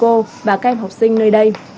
thầy trường thầy cô và các em học sinh nơi đây